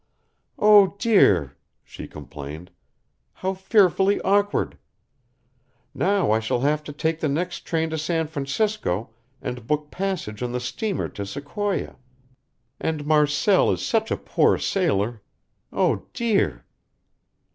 "Oh, dear," she complained, "how fearfully awkward! Now I shall have to take the next train to San Francisco and book passage on the steamer to Sequoia and Marcelle is such a poor sailor. Oh, dear!"